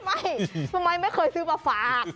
ไม่สมัยไม่เคยซื้อปลาฝาก